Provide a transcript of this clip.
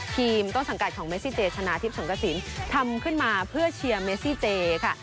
ต้นสังกัดของเมซิเจชนะทิพย์สงกระสินทำขึ้นมาเพื่อเชียร์เมซี่เจค่ะ